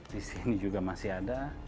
di sini juga masih ada